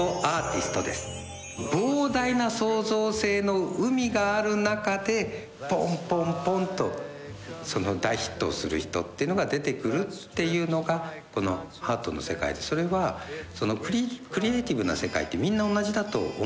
膨大な創造性の海がある中でぽんぽんぽんと大ヒットする人っていうのが出てくるっていうのがこのアートの世界でそれはクリエーティブな世界ってみんな同じだと思うんです。